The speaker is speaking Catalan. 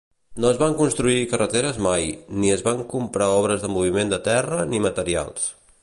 No es van construir carreteres mai, ni es van comprar obres de moviment de terra ni materials.